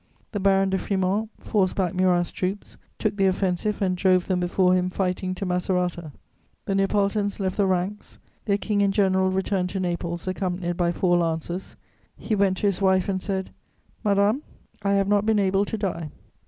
The Baron de Frimont forced back Murat's troops, took the offensive and drove them before him fighting to Macerata. The Neapolitans left the ranks; their King and general returned to Naples, accompanied by four lancers. He went to his wife and said: "Madame, I have not been able to die."